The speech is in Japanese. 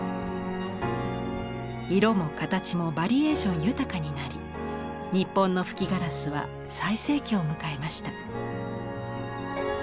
色も形もバリエーション豊かになり日本の吹きガラスは最盛期を迎えました。